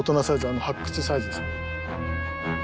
あの発掘サイズですね。